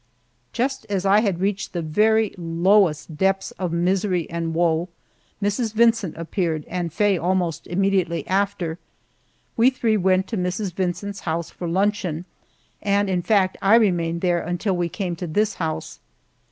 Just as I had reached the very lowest depths of misery and woe, Mrs. Vincent appeared, and Faye almost immediately after. We three went to Mrs. Vincent's house for luncheon, and in fact I remained there until we came to this house.